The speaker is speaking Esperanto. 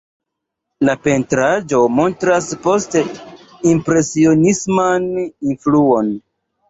La pentraĵo montras post-impresionisman influon.